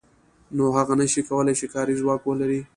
نو هغه نشي کولای چې کاري ځواک ولري